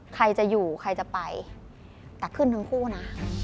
ใครจะอยู่ใครจะไปแต่ขึ้นทั้งคู่นะ